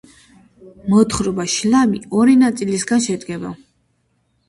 მოთხრობა „შლამი“ ორი ნაწილისაგან შედგება.